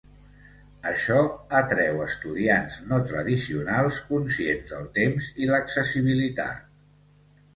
Això atreu estudiants no tradicionals conscients del temps i l'accessibilitat.